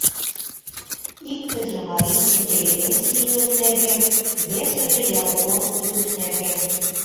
Иктыже — марий интеллигенций илыш нерген, весыже — ялкор илыш нерген.